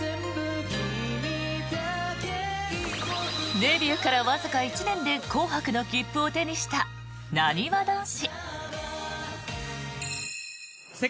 デビューからわずか１年で「紅白」の切符を手にしたなにわ男子。